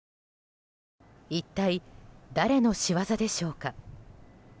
一体、誰の仕業でしょうか。